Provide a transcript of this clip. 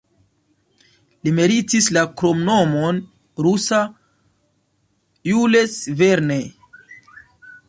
Li meritis la kromnomon "Rusa Jules Verne".